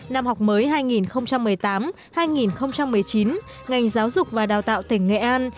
năm học mới hai nghìn một mươi tám hai nghìn một mươi chín ngành giáo dục và đào tạo tỉnh nghệ an